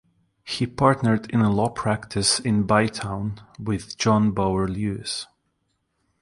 He partnered in a law practice in Bytown with John Bower Lewis.